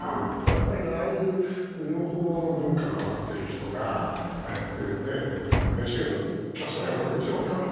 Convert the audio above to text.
やっぱり、ああいう両方の文化が分かっている人がああやってＮＨＫのキャスターやるわけでしょう？